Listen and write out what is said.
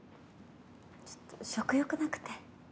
ちょっと食欲なくて。